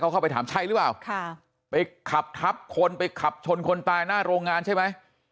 เข้าไปถามใช่หรือเปล่าค่ะไปขับทับคนไปขับชนคนตายหน้าโรงงานใช่ไหม